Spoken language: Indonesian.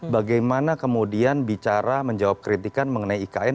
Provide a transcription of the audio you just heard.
bagaimana kemudian bicara menjawab kritikan mengenai ikn